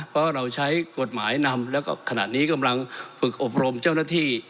เพราะเราใช้กฎหมายนำแล้วก็ขณะนี้กำลังฝึกอบรมเจ้าหน้าที่